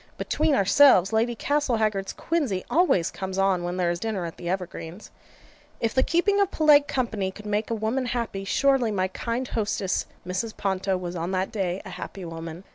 Between ourselves, Lady Castlehaggard's quinsy always comes on when there is dinner at the Evergreens. If the keeping of polite company could make a woman happy, surely my kind hostess Mrs. Ponto was on that day a happy woman.